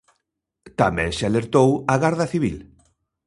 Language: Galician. Tamén se alertou á Garda Civil.